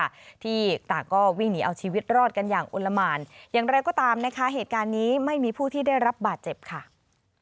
หลังจากที่เครื่องบินตกลงสู่พื้นท่ามกลางความตกตะลึงของผู้ที่พบเห็นเหตุการณ์ค่ะ